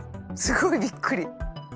すごいびっくり。